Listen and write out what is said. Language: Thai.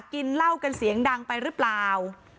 กินเหล้ากันเสียงดังไปหรือเปล่า